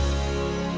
masanya sekali agremen